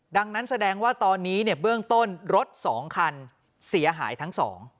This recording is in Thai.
ดังนั้นแสดงว่าตอนนี้เนี่ยเบื้องต้นรถ๒คันเสียหายทั้งสอง